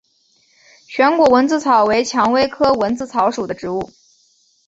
旋果蚊子草为蔷薇科蚊子草属的植物。